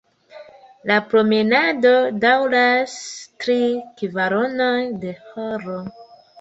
La promenado daŭras tri kvaronoj de horo.